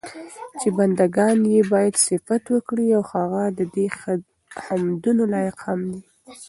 چې بندګان ئي بايد صفت وکړي، او هغه ددي حمدونو لائق هم دی